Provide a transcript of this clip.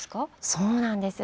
そうなんです。